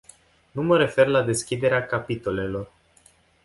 Nu mă refer la deschiderea capitolelor.